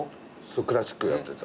クラシックやってた。